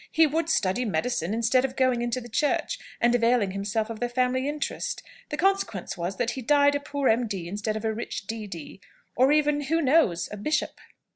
He would study medicine, instead of going into the Church, and availing himself of the family interest. The consequence was, that he died a poor M.D. instead of a rich D.D. or even, who knows? a bishop!"